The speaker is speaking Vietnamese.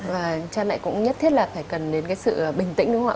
và cha mẹ cũng nhất thiết là phải cần đến cái sự bình tĩnh đúng không ạ